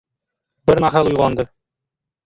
Bir mahal uyg‘ondi.